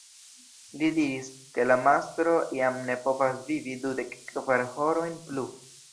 Li diris, ke la mastro jam ne povas vivi dudek kvar horojn plu.